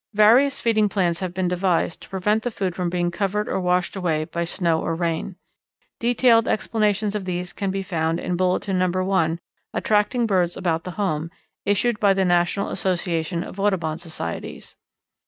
Various feeding plans have been devised to prevent the food from being covered or washed away by snow or rain. Detailed explanations of these can be found in Bulletin No. 1, "Attracting Birds About the Home," issued by the National Association of Audubon Societies.